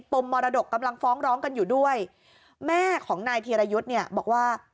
มมรดกกำลังฟ้องร้องกันอยู่ด้วยแม่ของนายธีรยุทธ์เนี่ยบอกว่า